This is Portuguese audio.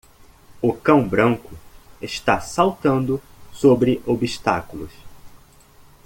O cão branco está saltando sobre obstáculos.